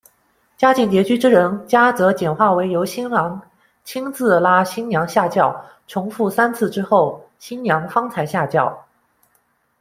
家境拮据之人家则简化为由新郎亲自拉新娘下轿，重复三次之后新娘方才下轿。